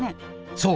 そう。